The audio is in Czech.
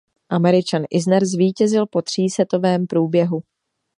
Američan Isner zvítězil po třísetovém průběhu.